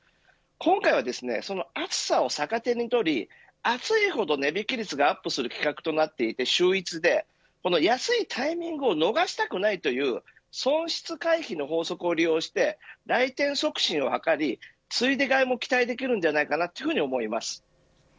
今回は、その暑さを逆手にとり暑いほど値引き率がアップする企画となっているのが秀逸で安いタイミングを逃したくないという損失回避の法則を利用して来店促進を図りついで買いも期待できるんじゃないかなと思います。